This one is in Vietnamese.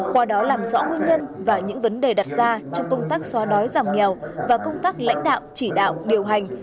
qua đó làm rõ nguyên nhân và những vấn đề đặt ra trong công tác xóa đói giảm nghèo và công tác lãnh đạo chỉ đạo điều hành